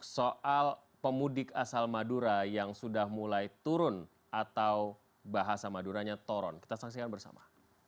soal pemudik asal madura yang sudah mulai turun atau bahasa maduranya toron kita saksikan bersama